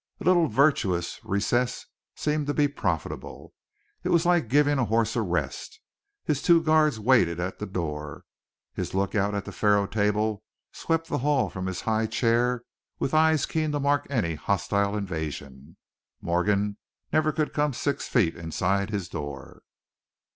A little virtuous recess seemed to be profitable; it was like giving a horse a rest. His two guards waited at the door, his lookout at the faro table swept the hall from his high chair with eyes keen to mark any hostile invasion. Morgan never could come six feet inside his door.